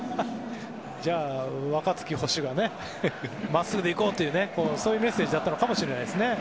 じゃあ若月捕手がまっすぐで行こうというねそういうメッセージだったのかもしれませんね。